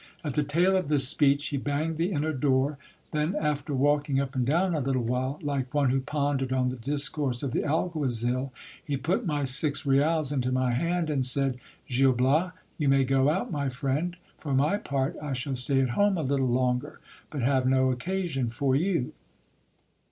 At the tail of this speech, he banged the inner door ; then, after walking up and down a little while, like one who pondered on the discourse of the alguazil, he put my six rials into my hand, and said : Gil Bias, you may go out, my friend ; for my part, I shall stay at home a little longer, but have no occasion for you.